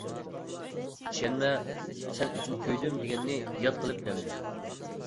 ئىشەنمە «سەن ئۈچۈن كۆيدۈم» دېگەننى ياد قىلىپ دەمدە.